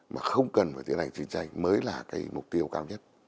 mà không cần phải tiến hành chiến tranh mới là cái mục tiêu cao nhất